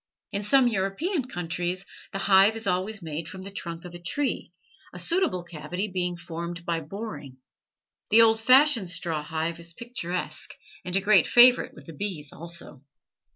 In some European countries the hive is always made from the trunk of a tree, a suitable cavity being formed by boring. The old fashioned straw hive is picturesque, and a great favorite with the bees also.